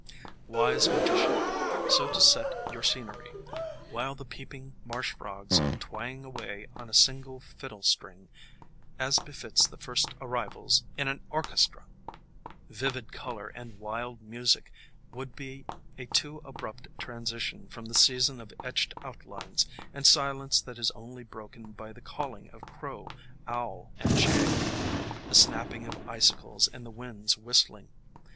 Wise Magician, so to set your scenery, while the peep ing marsh frogs twang away on a single fiddle string, as befits the first arrivals in an orchestra! Vivid color and wild music would be a too abrupt transition from the season of etched outlines, and silence that is only broken by the calling of crow, owl and jay, the snapping of icicles and the winds whistling.